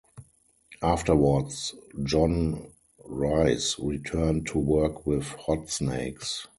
Afterwards John Reis returned to work with Hot Snakes.